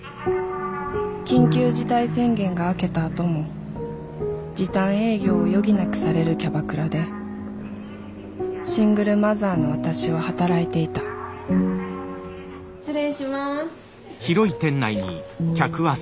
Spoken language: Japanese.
緊急事態宣言が明けたあとも時短営業を余儀なくされるキャバクラでシングルマザーの私は働いていた失礼します。